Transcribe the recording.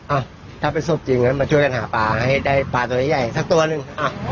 อ่ะถ้าเป็นศพจริงงั้นมาช่วยกันหาปลาให้ได้ปลาตัวใหญ่สักตัวหนึ่ง